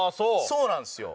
そうなんですよ。